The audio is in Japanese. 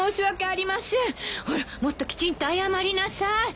ほらもっときちんと謝りなさい！